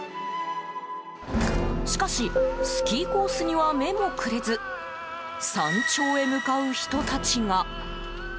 しかし、スキーコースには目もくれず山頂へ向かう人たちが。